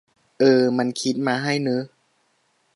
เออ มันคิดมาให้เนอะ